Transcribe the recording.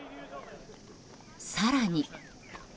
更に。